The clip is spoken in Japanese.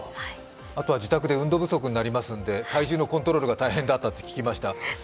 あとは自宅で運動不足になりますので体重のコントロールが大変だったと聞きました。